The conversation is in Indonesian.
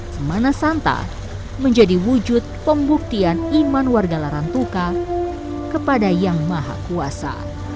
semana santa menjadi wujud pembuktian iman warga larantuka kepada yang maha kuasa